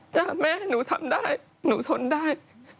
แม่หนูทำได้หนูทนได้